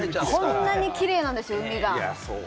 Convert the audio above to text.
こんなにキレイなんですよ、海が。